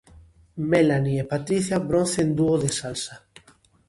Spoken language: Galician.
Melani e Patricia, bronce en dúo de salsa.